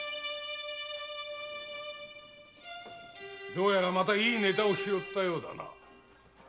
どうやらまたいいネタを拾ったようだな。